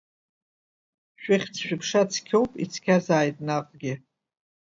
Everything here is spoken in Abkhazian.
Шәыхьӡ-шәыԥша цқьоуп, ицқьазааит наҟгьы.